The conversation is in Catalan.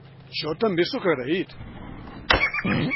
Jo també sóc agraït